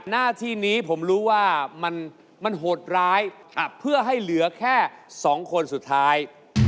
หน้าที่นี้ผมรู้ว่ามันโหดร้ายเพื่อให้เหลือแค่๒คนสุดท้าย